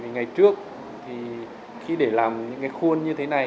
ngày trước thì khi để làm những khuôn như thế này